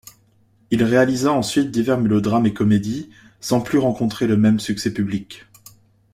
Il réalisa ensuite divers mélodrames et comédies, sans plus rencontrer le même succès public.